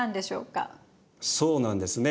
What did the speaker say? そうなんですね。